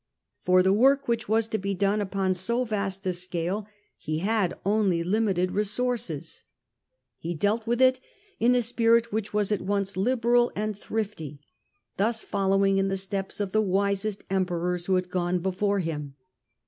For the work which was to be done upon so vast a scale he had only limited resources j 117 13 ^ Hadrian. 6 ) he dealt with it in a spirit which was at once liberal and thrifty, thus following in the steps of the wisest Hadrian's emperors who had gone before him.